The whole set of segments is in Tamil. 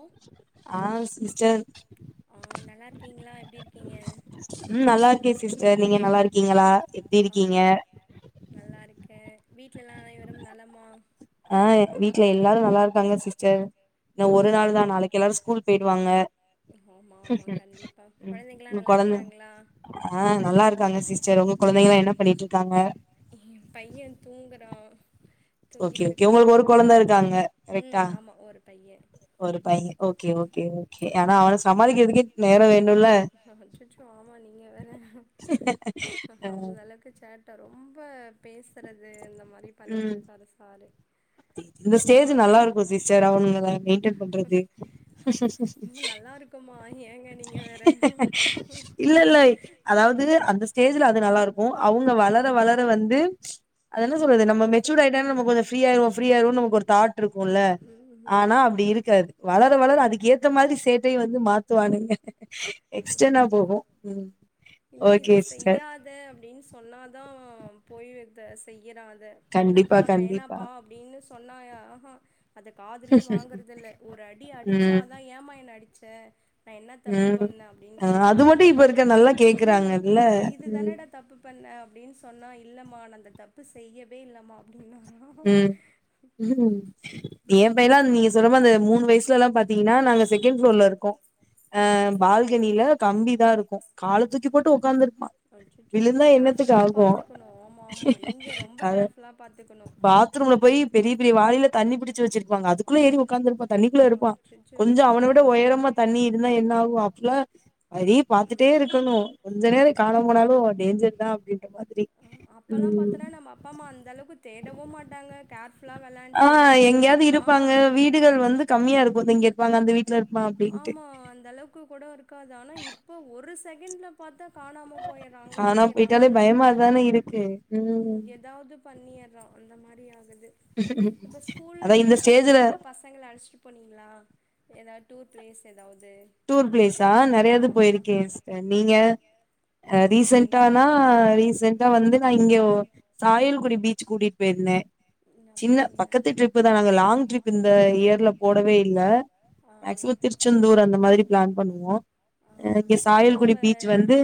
ஓ ஆஸு ஆ நல்லா இருக்கீங்களா எப்டி இருக்கீங்க உம் நல்லா இருக்கேன் சிஸ்டர் நீங்க நல்லா இருக்கீங்களா எப்படி ஆ இருக்கீங்க வீடலல்லாம் அனைவரும் நலமா ஆஹ் வீட்டு்ல எல்லாரும் நல்லாருக்காங்க சிஸ்டர் இன்ன ஒரு நாள் கொழந் தான் நாளைக்கு எல்லாரு ஸ்கூல் போயிடுவாங்க ஆமா ஆமா கண்டிப்பா கொழந்தைங்கலா நல்லா குழந்தை இருக்காங்களா ஆஹ் நல்லா இருக்காங்க சிஸ்டர் உங்க குழந்தைங்களா என்ன பண்ணிட்டு இருக்காங்க ஏ பைய தூங்குறா ஒகே ஒகே தூங்கிட்ருக்காங்க உங்களுக்கு ஒரு கொழந்த இருக்காங்க ம் கரெக்டா ஆமா ஒரு பைய ஒரு பையன் ஓகே ஒ ஓகே ஓகே ஆனா அவன சமாளிக்கிறதுக்கே நேரம் வேணுல்ல அச்சச்சோ ஆமா நீங்க வேற அந்த அளவுக்கு சேட்ட ரொம்ப பேச உ இந்த ஸ்டேஜ் நல்லா பாத்தோனா இருக்கும் சிஸ்டர் அவங்கள மெயின்டன் பண்றது நல்லா இருக்குமா ஏங்க நீங்க வேற இல்ல இல்ல அதாவது அந்த ஸ்டேஜ்ல அது நல்லா இருக்கும் அவங்க வளர வளர வந்து அது என்ன ஆமா சொல்றது நம்ம அதுக்கு மெச்சூர் ஆயிட்டா நம்ம சொல்றீங்களா கொஞ்ச ஃப்ரீ ஆய்டுவோ ஃப்ரீ ஆய்டுவோ ஒரு தாட் இருக்குல ஆனா ம்ஹும் அப்டி இருக்காது வளர வளர அதுக்கு ஏத்த மாதிரி சேட்டையை வந்து மாத்துவானுங்க எக்ஸ்டனா போகு ம் இல்ல ஓகே இது சிஸ்டர் செய்யாத அப்படின்னு சொன்னாதான் போய் செய்யறான் தெ கண்டிப்பா இல்லப்பா கண்டிப்பா வேணாப்பா அப்டின்னுஸ் தொன்னாயா ஆஹா. அத காதுலே வாங்குறதெல்ல ஒர் அடி ம் அடிச்சாதா ஏமா என்ன அடி. ச்ச. நா என்ன தப்புப். ம் பண்ண அப்டின் ஆ கேக்குறா‌. அது மட்டு இந்த இப்ப தப்பு இருக்க நல்லா ம் கேக்குறாங்கல்ல இது ம் தானடா தப்பு பண்ண அப்டின் சொன்னா இவ். இல்லம்மா நா அந்த தப்பு செய்யவே இல்லம்மா அப்பனு. ம் ம் ஏ பைய்லா நீங்க சொல்லும்மோது மூணு வயசுலல்லாம் பாத். ஈனா நாங்க செகண் ஃப்ளோர்ல இர்க்கோ அ ம் பால்கனில கம்பிதாரு. போ கால தூக்கி போட்டு உக்காந்துர். அச்சச்சோ கேர்ஃபுல்லா பாத்துக்குணு ஓமா ஆமா நீங்க ரொம்ப அத கேர்ஃபுல்லா பாத்துக்க. பாத்ரூம்ல போய் பெரிய பெரிய வாளில தண்ணி பிடி. ச்சி வச்சிருப்பாங்கங்க அது குல்ல ஏறி உக்காந்துர்ப்பா தண்ணிக்குள்ள இருப்பா அச்சச்சோ கொஞ்சோ ஆ அவன விட ஒயரமா தண்ணி இருந்தா என்ன ஆவு அப்புலா அப்டியே பாத்துட்டே ம் இருக்கணு கொஞ்ச நேர காணாம போனாலு ஓ டேஞ்சர்தா அப்டின் அப்பெல்லா பாத்தனா நம்ம அப்பா அமா அந்தளவுக்கு தே டவு மாட்டாங்க கேர் ஆ எங்கயாது இருப்பாங்க வீடுகள் வந்து கம்மியா இருக்கு இங்க வாங்க அந்த வீட் ஆமா அந்த அளவுக்கு கூட இருக்காது ஆனா இப்ப ஒரு செகண்ட்ல பாத்தா காணாம போயர்றா அங்க காணா நிக்கறா போயிட்டாலே எ பயமாதானே இருக்கு ம் ஏதாவது பண்ணிர்றா அந்த மாரி ப்டி ஆகல் து இப்ப ஸ்கூல் அதா இந்த வெகேஷன் ஸ்டேஜ்ல எதாவது பசங்கள அழச்சிட்டு போனிங்களா எதாது டூர் பிளேஸ் எதாவுது டூர் பிளேஸா நெறயா இது போயிருக்கே சிஸ்டர் நீங்க ஆ ரீசன்ட்டானா ரீசண்ட்டா ம் வந்து நா இங்க சாயிலு [unintelligible] பீச்சுக் கூட்டிட் போய்ருந்தே சின்ன அப்டிங்களா பக்கத்து ட்ரிப்பு தா நாங்க லாங் ட்ரிப்பு இந்த ஏர்ல போடவே இல்ல மேக்சிமோ திருச்செந்தூர் அந்த [inaudible] மாரி அ அ நாங்களு சாயல்குடி அப்ப பீச் வந்து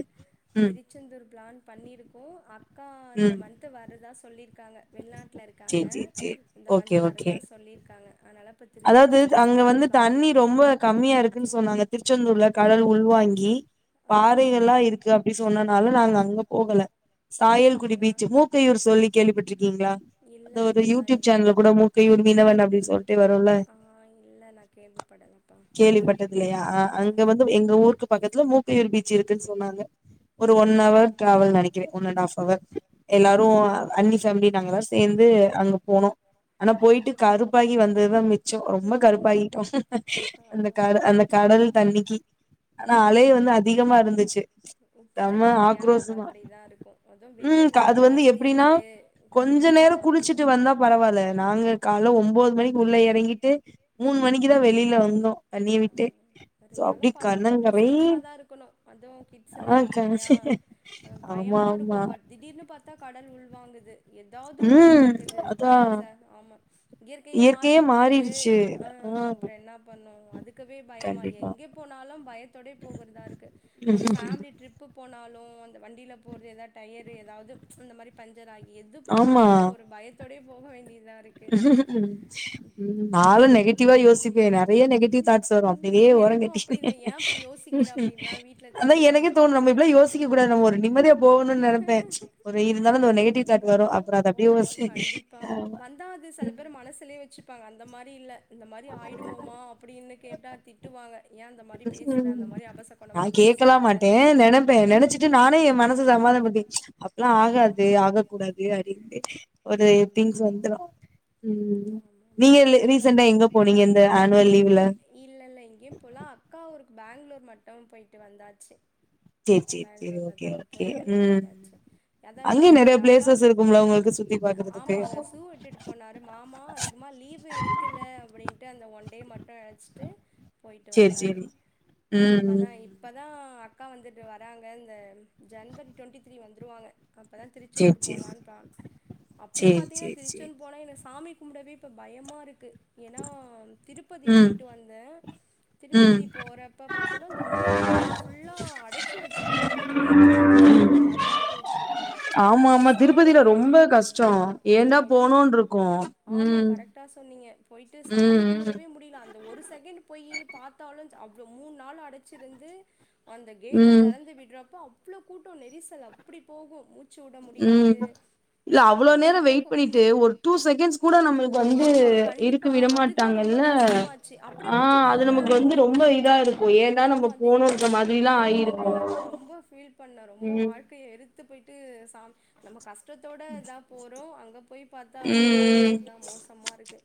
ம் திருச்செந்தூர் பிளான் பண்ணிருக்கு அக் க்கா அந்த ம் மந்த் வரதா சொல்லிர்க் க்காங்க வெள்நாட்ல இருக்காங்க சேரி சேரி சேரி இந்த மந்த் ஓகே ஓகே வரதா சொல்லீர்க்காங்க அனால ப்ப அதாவது திருச்செந்தூர் அங்க போர்தா ஒருப் வந்து தண்ணி ரொம்ப கம்மியா இருக்குன் சொன்னாங்க திருச்செந்தூர்லப் கடல் உள்வாங்கி ஆ பாறைகள்ல்லா இருக்கு அப்டி சொன்னனால நாங்க அங்கப் போகல சாயல்குடி அப்டிங்களா பீச்சு மூக்கையூர் சொல்லி கேள்விப்பட்ருக்கீங்ளா இல்ல அந்த ஒரு அதெல்லா யூடியூப் சேனல்ல எனக்கு கூட மூக்கையூர் மீனவன் அப்டின் சொல்ட்டு வ ல்ல ஆ இல்ல நா கேள்விப்படலப்பா கேள்விப்பட்டது இல்லயா அ அங்க ம் வந்து எங்க ஊருக்கு பக்கத்ல மூக்கையூர் பீச் இருக்குன் சொன்னாங்க ஒரு ஒன் அவர் ம் டிராவல் நெனக்கிறே ஒன்னன்டாஃப் அவர் ம் எல்லாரூ அ ம் அண்ணி ஃபேம்லி நாங்கெல்லாரு சேந்து அங்க போனோ ஆனா போயிட்டு கருப்பாகி வந் அதுதா மிச்சோ ரொம்ப கருப்பாகிட்டோ ஆ அந்த கட அந்தக் கடல் தண்ணிக்கி ஆனா அலயு வந்து அதிகமா இருந்துச்சு உப்பு தண்ணி செம்ம இல்லையா அது ஆக்ரோசமா அப்டிதா இருக்கு அதுவு ம் வெயில் க வேற அது வந்து ஜாஸ்தி எப்டின்னா இருக்கு கொஞ்ச கருப்பாதா நேரோ மாத்திடு குளிச்சுட்டு வந்தா பரவால்ல நாங்க கால்ல ஒம்போ போது மணி உள்ள எறங்கிட்டு ம் ம் வெளில வந்தோ தண்ணிய விட்டு [inaudible] அ சோ இருந்தாலு அப்டி பாத்தா கொஞ்சோ கண்ணங்கரைன் சேஃபா தா இருக்கணு அதுவு கிட்ஸ் எல்லா ஆ இருக்கு இல்லையா கரச்சு அ ஆமா பயமா இருக்கு ஆமா பட் திடீர்னு பாத்தா கடல் உள்வாங்குத் எதாவ்து ஒண்ணு ம் நடக்குது அதா கடல் சா ஆமா இயற்கையே மாறிப் போகுது [unintelligible] ஆ அ ம் அதுக்கவே பயமா எங்கே போனாலு பயத் தோடயே போகுறதா இருக்கு ஒரு ஃபேமிலி ட்ரிப் போ ஒனாலு அந்த வண்டில போறது எதா டயரு எதாவது இந்த மாரி பஞ் ஞ்சரா எது போனாலு ஒரு பயத்தோடயே போக வேண்டித் ம்மா இத ஆளும் பத்து நெகட்டிவா யோசிப்பேன் நறய நெகட்டிவ் தாட்ஸ் வரும் அப்படியே ஓரம் எனக்கு அப்டிதா கட்டிர்வேன் ஏ அப்டி யோசிக்கிற அப்டின்லா வீட்ல அதான் திட்டுவாங்க எனக்கே தோணும் நம்ம இப்டிலாம் யோசிக்க கூடா நம்ம ஒரு நிம்மதியா போகணும் நினைப்பேன் ஒரு இருந்தாலும் அ ஒரு நெகட்டிவ் தாட் வரும் இருந்தாலு அப்புறம் அதை அப்படியே [unintelligible] ந்து செல பேர் மனசுலியே வெச்சிருப்பாங்க அந் ந்த மாரி இல்ல இந்த மாரி ஆயிடுமோமா அப்படின்னு கேட்டா திட்டுவாங்க ஏ அந்த மாரி பேசுற அந்த மாரி [unintelligible] அபசகுணமா நான் கேட்கலா பேசாத மாட்டேன் நினைப்பேன் நினைச்சிட்டு நானே என் மனச சமாதானம் படுத்தி அப்பல்லாம் ஆகாது ஆக கூடாது அப்படின்ட்டு ஒரு திங்ஸ் வந்துடும் ம் ஆமா ஆமா நீங்க அதா இப்ப ரீசண்ட்டா எங்க போனீங்க இந்த ஆனுவல் லீவ்ல இல்ல இல்ல எங்கேயு போல அக்கா ஊருக்கு பெங்களூர் மட்டும் போயிட்டு வந்தாச்சு சேரி சேரி சேரி பெங்களூர்ல ஓகே தாங்க ஓகே போயிட்டு ம் வந்தாச்சு அதான் இப்ப அங்கயு நெறைய எங்க அக்கா பிளேசஸ் இருக்கும்ல உங்களுக்கு சுத்தி பாக்குறதுக்கு ஆமா அங்க ஷு விட்டுட்டு போனரு ஆமா அதிகமா லீவு் இருக்குல்ல அப்படின்ட்டு அந்த ஒன் டே மட் அழச்சிட்டு போயிட்டு சேரி வந்தாரு சேரி ம் ம் இப்பதான் இப்பதான் அக் அக்கா வந்துட்டு வராங்க இந்த ஜன்வரி டுவெண்ட்டி த்ரீ வந்துருவாங்க அப்பதான் சேரி திருச்செந்தூர் சேரி போலான்னுப்பான் அப்பயும் சேரி பாத்தீங்கன்னா சேரி சேரி திருச்செந் போனா என்ன ஸ் சாமி கும்பிடவே இப்போ பயமாக இருக்கு ஏன்னா திருப்பதி ம் போயிட்டு வந்தேன் ம் திருப்பதி போறப்ப பாத்தா [unintelligible] இந்த மூணு நாள் புல்லா அடைச்சு வச்சிருக்காங்க ஜெயில்ல அடைச்சு வைக்கிற மாதிரி அடக்கி வச்சிருக்க ஆமா ஆமா திருப்பதியில ரொம்ப கஷ்டம் அச்சோ ஏன்டா ரொம் போனோனுருக்கும் ஆமா கரெக்டா சொன்னீங்க போயிட்டு சாமி ம் ம் கும்பிடவே முடியல அந்த ஒரு செகண்ட் போயி பாத்தாலும் அவளோ மூணு நாள் அடைச்சிருந்து அந்த கேட்டை ம் தெறந்து விடுறப்ப அவ் அவ்ளோ கூட்டம் நெரிசல் அப்டி போகும் மூச் ம் இல்ல அவ்வளோ அப்டி நேரம் போகு வெயிட் பண்ணிட்டு ஒரு டூ ச செகண்ட்ஸ் கூட நம்மளுக்கு வந்து ஆமா இருக்கு கண்டிப்பா அதுதா ரொம்ப விடமாட்டாங்கல்ல கஷ்டமாச்சு அப்டியே ஆ புடிச்சு அது நமக்கு தள்றாங்க வந்து அப்டி ரொம்ப இதா இருக்கும் ஏன்னா நம்ம ஆமா தி போனுன்றமாரி லா போணுன்ற ஆயிருக்கும் மாரிலா ரொம்ப ம் டு ச நமக் கஷ்டத்தோடதான் போறோம் அங்க அங்க போய்ப் பாத்தா ரொம்ப் ரொம்ப ம் ம் இன்னும் தான் மோசமா இருக்கு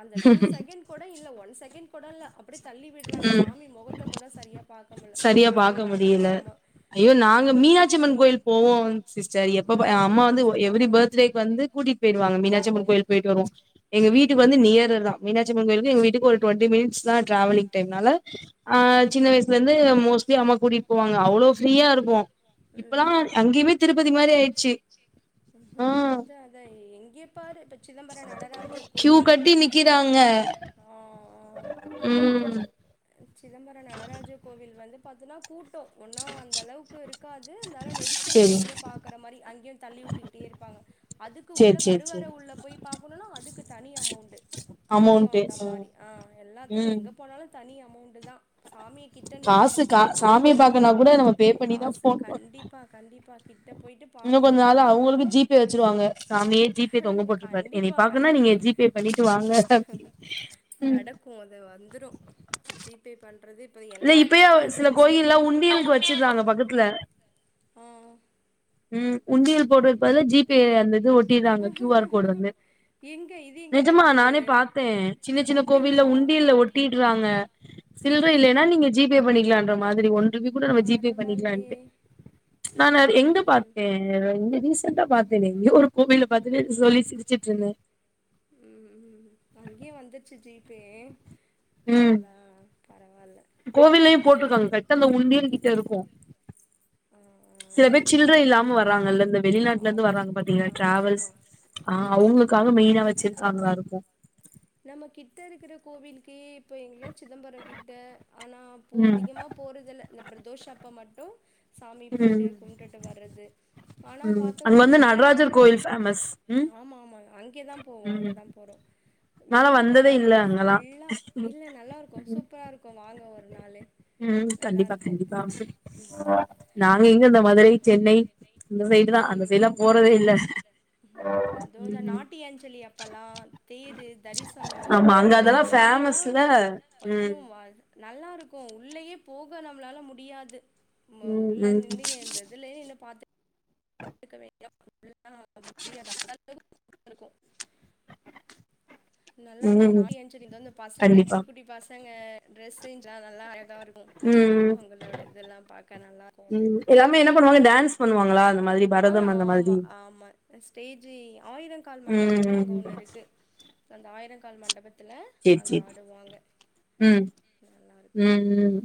அந்த டூ செகண்ட் கூட இல்ல ஒன் செகண்ட் போடல அப்டித் தள்ளி விடுறாங்க சாமி முகத்தை கூட சரியா பாக்க முடில மூணு சரியா நாள் பாக்க நாலு நா முடியல ஆமா ஐயோ ஃபுல்லா நாங்க வெயிட் மீனாட்சிம்ன் பண்ணி கோயில் போவோம் சிஸ்டர் எப்ப மதுரை அம்மா வந்து மீனாட்சி ஆ எவரி பர்த்டே வந்து கூட்டிட்டு போயிடுவாங்க மீனாட்சி மீனாட்சி அம்மன் கோயில் போயிட்டு வருவோம் எங்க ம் வீட்டுக்கு ம் வந்து நியர் தான் மீனாட்சிமன் கோயிலுக்கு எங்க வீட்டுக்கு ஒரு டுவெண்டி மினிட்ஸ் தா ட்ராவலிங் டைம்னால ஆஹ் ம் சின்ன வயசு வந்து மோஸ்ட்லி அம்மா கூட்டிட்டு போவாங்க அவ்ளோ ஃப்ரீயா இருக்கு இப்பல்லா அங்கேயுமே திருப் இப்பதி மாரி ஹ்ம் ஆ ஹ்ம் அது அத எங்கே பாரு இப்ப சிதம்பர நடராஜர் கியூ கோவில் கட்டி எங்களுக் நிக்கிறாங்க ஆஹ்ஹ் ம் சிதம்பர நடராஜர் கோவில் வந்து பாத்தினா பூட் ட்டோ ஒன்னூ அந்த அளவுக்கு இருக்காது இருந்தாலூ நெரிசல்ல சேரி நின்னு பாக்கற மாரி அங்கேயூ தள்ளி விட்டுகிட்டே இருப்பாங்க அதுக்கு உள்ள சேரி சேரி கருவர சேரி உள்ள போய் பாக்கணூனா அதுக்கு தனி அமௌண்ட் அங்கேயு அமௌண்ட்டு அந்த மாதிரி ஆ ம் எல்லாத்துக்கு ம் எங்க போனாலு னி அமௌண்ட் தா சாமிய கிட்ட நின்னு நம்ம காசு கா பாக்கணுனா சாமிய பாக்கனா கூட நம்ம பே பண்ணிதா காசு போனு கண்டிப்பா கண்டிப்பா கிட்ட போயிட்டு இன்னு பாத்து கொஞ்ச நாள்ல அவங்களுக்கு வேண்டுனாலு ஜி பே வச்சிருவாங்க சாமியே ஜி பே தொங்க போட்டிருப்பாரு என்ன கண்டிப்பா பாக்குனா நீங்க கண்டிப்பா ஜி பே பண்ணிட்டு வாங்க உம் ஜி பே பண் இல்ல இப்பயே சில கோயில்ல உண்டியலுக்கு வச்சிருறாங்க பக்கத்துல ஆஹ் உம். உண்டியல் போற்றதுக்கு பதிலா ஜி பே அந்த இது ஒட் தேட்றாங்க க்யூஆர் கோடு வந்து எங்க இது எங்க நெஜமா நடந்தது நானே பாத்தேன் சின்ன சின்ன கோவில்ல அப்டிங்களா உண்டியல்ல ஒட்டிடறாங்க ஆ சில்ற இல்லனா நீங்க ஜி பே பண்ணிக்கலான்ற மாரி சரி ஒன் இன்னய்க்கி கூட நம்ம ஜி பே பரவால்லயே பண்ணிக்கலான்ட்டு நானு எங்க - ம் பாத்தேன் இங்க ரீசெண்டா பாத்தேனே எங்யோ ஒரு கோவில்ல பாத்தேன்னு சொல்லி சிரிச்சுட்டு இருந்தேன் உம் உம். அங்கயு வந்துருச்சு ஜி பே இல்ல கோவில்லயுபோட்டிருக்காங்க, கரெக்டா அந்த உண்டியல்கிட்ட இருக்கு ஆ சில பேர் சில்ற இல்லாம வர்றாங்கல்ல, இந்த ஆ வெளிநாட்ல இருந்து ஆமா வர்றாங்க பாத்தீங்லா ஆமா டிராவல்ஸ். ஆமா ஆஹ் ம் அவங்களுக்காக மெய்னா வச்சிருக்காங்களாருக்கு நம்ம கிட்ட இருக்கிற கோவில்க்கே இப்ப ங்கள சிதம்பரங்கிட்ட ஆனா அப்போ ம் அதிகமா போறதில்ல இந்த பிரதோஷ- அப்ப மட்டூ சாமி போய்ட்டு ம் கும்ப்ட்டுட்டு வர்றது ஆனா ம் அங்க பாத்தீங்னா வந்து நடராஜர் வெளிநாட்டு கோயில் ஃபேமஸ் ம் ஆமா ஆமா அங்கேதான் போவோம் ம் அங்கதான் போறோ நாலா வந்ததே இல்ல வெளிநாட்டுக்காரங்க அங்கல்லா ஃபுல்லா இல்ல நல்லா இருக்கு சூப்பரா இருக்கு வா ங்க ஒரு நாளு ம் கண்டிப்பா நல்லாருக்கு கண்டிப்பா அ நாங்கயெங்க இந்த மதுரை சென்னை இந்த சைடு தா அந்த ம் சைடுல்லா ம் போறதே இல்ல அ அதுவு இந்த உம் நாட்டியாஞ்சலி அப்பல்லா தேரு தரிசனோ அதப்பல்லா [inaudible] ம் ஐயோ வ நல்லா இருக்கு இப்போ உள்ளயே போக நம்மளால முடியாது ம் அ உள்ள நின்னு அந்த இதுலயே என்ன பாத்து [unintelligible] [inaudible] இருக்கு நல்லா இருக்கோ நா ம் [unintelligible] இந்த பசங்க கண்டிப்பா குட்டி பச நாங்க டிரெஸ் [unintelligible] உம் பாக்க நல்லா இருக்கு அது உம். எல்லாமே என்ன பண்ணுவாங்க டான்ஸ் பண்ணுவாங்களா அந்த மாதிரி பரதம் அந்த மாதிரி ஸ்டேஜ் ஆயிரங்கால் ம் மண்டபோன்னு அங்க ம் ஒண்ணு இருக்கு அந்த ஆயிரங்கால் மண்டபத் துல சேரி அங்க சேரி ஆடுவாங்க ம் நல்லாருக்கு ம் ம்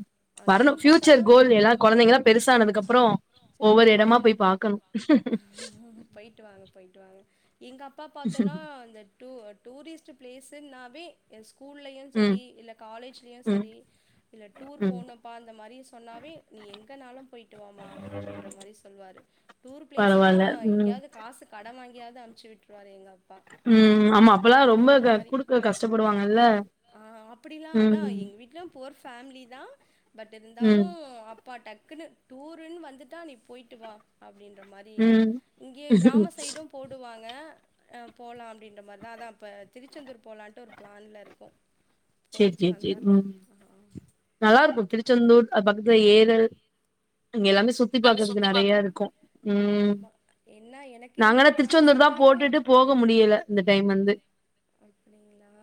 வரணு அங்கயு பாத்தனா ஃபியூச்சர் கோல் எல்லா கொழந்தைங்கலா பெருசானதுக்கு அப்றோ ஒவ்வொரு எடமா ஆஹ் போய் பாக்கணு போயிட்டு வாங்க போயிட்டு வாங்க எங்க அப்பா பாத்தோன்னா அந்த டுவுட் டூரிஸ்ட் பிளேஸ்னாவே எ ஸ்கூ ஸ்கூல்லயு ம் சரி இல்ல காலேஜ்லயு ம் சரி இல்ல டூர் ம் போனப்பா அந்த மாரி சொன்னாவே நீ எங்கனாலு போயிட்டுவாமா அப்படின்ற மாரி சொல்லுவாரு டூர் பிளேஸ்னா பரவால்ல ம் எங்கேயாவது காசு கடன் வாங் எப்டியாது அனுப்ச்சு விட்ருவாரு எங்கப் ம்மா ஆமா அப்பல்லா ரொம்ப க மாரி குடுக்க கஷ்டப்படுவாங்கல்ல ஆ அப்படிலாம் அதான் ம் எங்க வீட்லயும் புவர் ஃபேமிலி தா பட் இருந்தாலு ம் அப்பா டக்குன்னு டூருன்னு வந்துட்டா நீ போயிட்டு வா அப் அப்படின்ற மாரி ம் இங்கயே கிராம சைடு போடுவாங் ங்க அ போலா அப்டின்ற மாரி இத இதா இப்ப திருச்செந்தூர் போலான்ட்டு ஒரு பிளான்ல இருக்கோ சேரி போயிட்டு சேரி சேரி வந்தர்னு ம் ஆஹ நல்லா இருக்கு திருச்செந்தூர் அது பக்கத்துல ஏரல் அங்கெல்லாமே சுத்தி பாக்கறதுக்கு நெறைய இருக்கு உம் ஆமா என்ன எனக்கு எங்க நாங்கனா போன திருச்செந்தூர் தா ஆசன்னா போட்டுட்டு போக முடியல இந்த டைம் வந்து அப்படிங்களா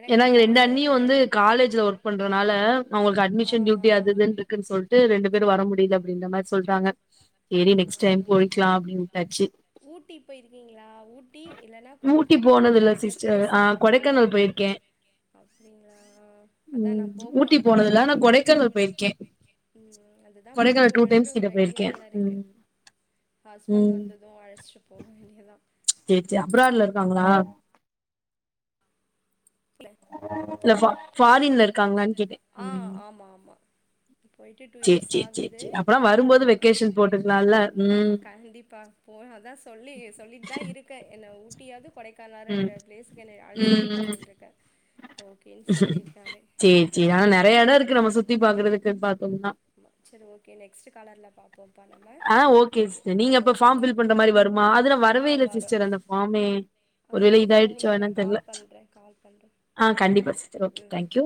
எனக்கு ஏனா எங்க வந்து ரெண்டு ஆச அண்ணியு வந்து காலேஜ்ல ஒர்க் பண்ற னால அவங்களுக்கு ஆ அட்மிஷன் டியூட்டி அது இதுன்னு இருக்குன் சொல்ட்டு ரெண்டு ரெண்டு பேரு வர முடியல அப்டின்ற மாரி சொல்றாங்க அ ஊட்டி போயிருக்கீங்களா ஊட்டி இல்லன்னா ஊட்டி கொடைக்கானல் இந்த போனதில்ல ரெண்டு சிஸ்டர் பிளேஸ் ஆ நா போகணு கொடைக்கானல் போயிருக்கே அப்டிங்களா அதா ம் நா போ ஊட்டி போனது இல்ல ஆனா கொடைக்கானல் போயிருக்கே ம் அதுதா கொடைக்கானல் டூ போகணுன்ற டைம்ஸ் கிட்ட ஒரு போயிருக்கே ஐடியாவுல இருக்கு. ம் ஹஸ்பண்ட் ம் வந்தது அழஷ்ட்டு போ வேண்டியதா சேர் சேர் அப்ராட்ல இருக்காங்களா இல்ல ஃபா ஃபாரின்ல இருக்காங்ளான் ஆ ஆமா ஆமா போயிட்டு டூ சேரி இயர்ஸ் சேரி சேரி ஆகுது சேரி அப்பனா ஆ வரும்போது வெக்கேஷன் போட்டுக்கலால்ல ம் கண்டிப்பா போ அதா சொல்லி சொல்லி தா இருக்க நா ஊட்டியாது கொடைக்கான ம் ரெண்டு ப்ளேஸுக்கு என்னைய அழ்ச்சிட்டு போ ம் அப்டின்ருக்க ஓகேன் சொல்லிருக்காரு றையா எடோ இருக்கு நம்ம சுத்திப் பாக்குறதுக்கு பாக் செரி ஓகே நெக்ஸ்ட்டு காலர்ல பா ஆ ஓகே சிஸ் நீங்க அப்ப ஓகே ஃபாம் பாய் ஃபில் பண்ற மாரி வருமா அதுல ஆ வரவே இல்ல வரும் சிஸ்டர் அந்த ஃபாமே ஆ ஒரு வேல இருங்க இதாயிடுச்சோ உங்களுக்கு என்னன் நான் தெர்ல கால் பண்றேன் கால் பண்றேன் ஆ கண்டிப்பா சிஸ்டர் ஓகே தேங்க்யூ